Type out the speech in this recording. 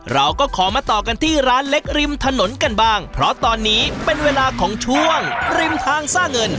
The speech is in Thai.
เราก็ขอมาต่อกันที่ร้านเล็กริมถนนกันบ้างเพราะตอนนี้เป็นเวลาของช่วงริมทางสร้างเงิน